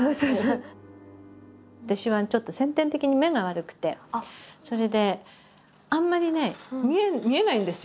私はちょっと先天的に目が悪くてそれであんまりね見えないんですよ